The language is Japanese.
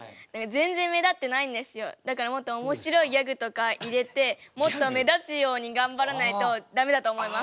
だからもっとおもしろいギャグとか入れてもっと目立つように頑張らないとダメだと思います。